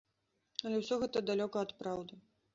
Але ўсё гэта далёка ад праўды.